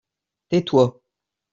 tais-toi.